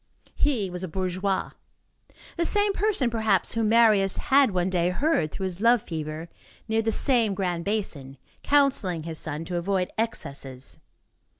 He was a bourgeois. The same person, perhaps, whom Marius had one day heard, through his love fever, near the same grand basin, counselling his son "to avoid excesses."